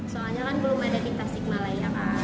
soalnya kan belum ada tiktok sigmala ya kan